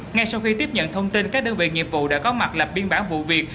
ngay sau khi tiếp nhận thông tin các đơn vị nghiệp vụ đã có mặt lập biên bản vụ việc